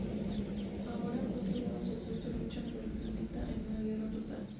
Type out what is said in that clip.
Ahora, cuatro lados opuestos luchan por el planeta en una guerra total.